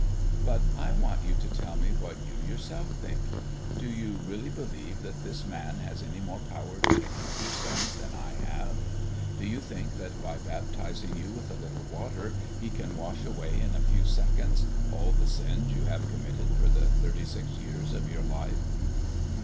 "But I want you to tell me what you yourself think. Do you really believe that this man has any more power to forgive your sins than I have? Do you think that by baptizing you with a little water he can wash away in a few seconds all the sins you have committed for the thirty six years of your life?"